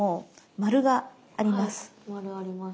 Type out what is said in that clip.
丸あります。